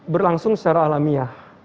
berlangsung secara alamiah